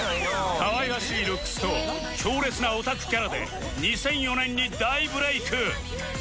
可愛らしいルックスと強烈なオタクキャラで２００４年に大ブレイク